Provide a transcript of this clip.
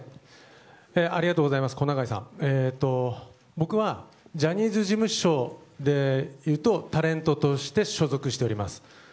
僕はジャニーズ事務所で言うとタレントとして所属しております。